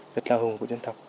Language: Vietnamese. rất là hùng của dân thập